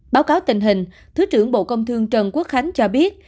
báo cáo tình hình thứ trưởng bộ công thương trần quốc khánh cho biết